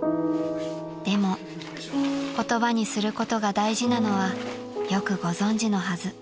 ［でも言葉にすることが大事なのはよくご存じのはず］